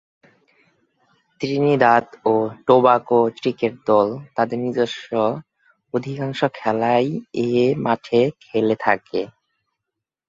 Trinidad ও Tobago cricket দল তাদের নিজস্ব অধিকাংশ খেলাই এ মাঠে খেলে থাকে।